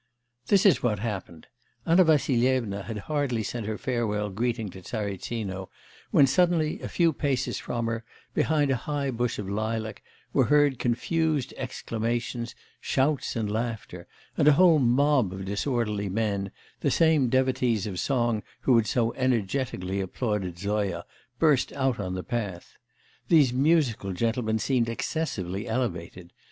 This was what happened. Anna Vassilyevna had hardly sent her farewell greeting to Tsaritsino, when suddenly, a few paces from her, behind a high bush of lilac, were heard confused exclamations, shouts, and laughter; and a whole mob of disorderly men, the same devotees of song who had so energetically applauded Zoya, burst out on the path. These musical gentlemen seemed excessively elevated.